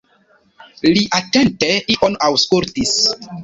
Li atente ion aŭskultis.